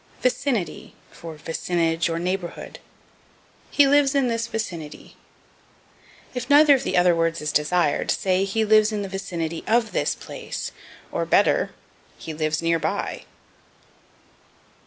Vicinity for Vicinage, or Neighborhood. "He lives in this vicinity." If neither of the other words is desired say, He lives in the vicinity of this place, or, better, He lives near by.